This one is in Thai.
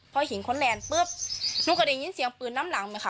พอหินค้นแลนด์ปุ๊บหนูก็ได้ยินเสียงปืนน้ำหลังไหมคะ